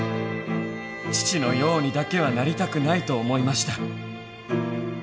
父のようにだけはなりたくないと思いました。